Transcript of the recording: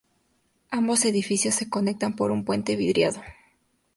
Ambos edificios se conectan por un puente vidriado.